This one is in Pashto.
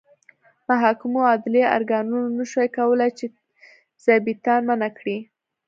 محاکمو او عدلي ارګانونو نه شوای کولای چې ظابیطان منع کړي.